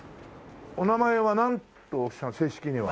お名前はなんと正式には。